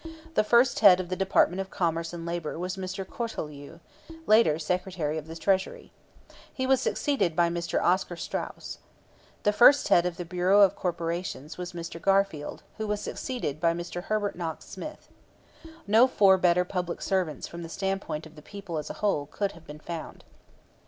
The first head of the Department of Commerce and Labor was Mr. Cortelyou, later Secretary of the Treasury. He was succeeded by Mr. Oscar Straus. The first head of the Bureau of Corporations was Mr. Garfield, who was succeeded by Mr. Herbert Knox Smith. No four better public servants from the standpoint of the people as a whole could have been found.